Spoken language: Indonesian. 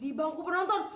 di bangku penonton